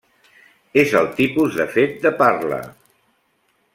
És el tipus de fet de parla.